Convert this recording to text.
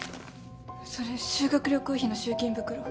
それ修学旅行費の集金袋。